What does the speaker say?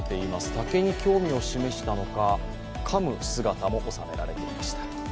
竹に興味を示したのかかむ姿も収められていました。